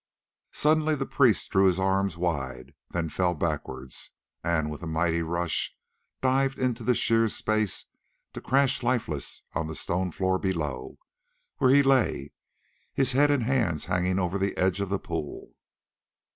Suddenly the priest threw his arms wide, then fell backwards, and with a mighty rush dived into sheer space to crash lifeless on the stone floor below, where he lay, his head and hands hanging over the edge of the pool.